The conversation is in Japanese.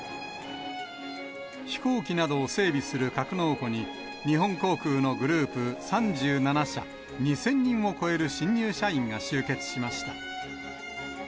飛行機などを整備する格納庫に、日本航空のグループ３７社、２０００人を超える新入社員が集結しました。